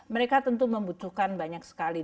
mereka tentu membutuhkan banyak sekali